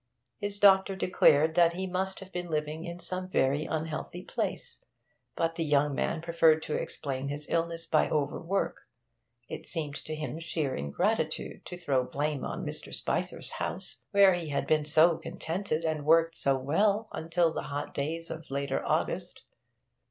His doctor declared that he must have been living in some very unhealthy place, but the young man preferred to explain his illness by overwork. It seemed to him sheer ingratitude to throw blame on Mr. Spicer's house, where he had been so contented and worked so well until the hot days of latter August.